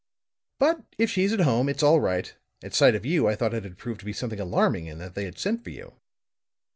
But if she's at home, it's all right. At sight of you I thought it had proved to be something alarming and that they had sent for you."